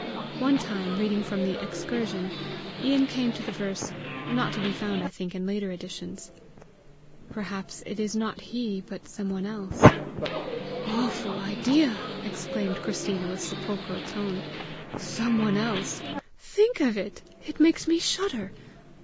One time, reading from the Excursion, Ian came to the verse not to be found, I think, in later editions "Perhaps it is not he but some one else": "Awful idea!" exclaimed Christina, with sepulchral tone; " 'some one else!' Think of it! It makes me shudder!